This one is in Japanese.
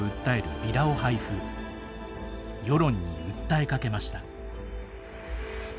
世論に訴えかけました。